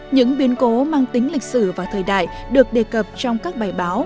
những biến cố mang tính lịch sử và thời đại được đề cập trong các bài báo